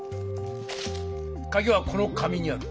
カギはこの紙にある。